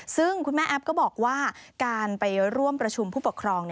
ซึ่งคุณแม่แอฟก็บอกว่าการไปร่วมประชุมผู้ปกครอง